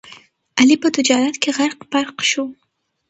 علي په تجارت کې غرق پرق شو.